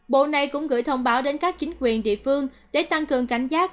bộ này cũng gửi thông báo đến các chính quyền địa phương để tăng cường cảnh giác